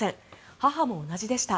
母も同じでした。